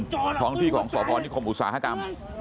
ท้องที่ของสพนิคมอุตสาหกรรม